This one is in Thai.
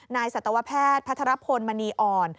สัตวแพทย์พัทรพลมณีอ่อน